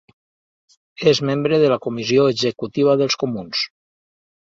És membre de la comissió executiva dels comuns.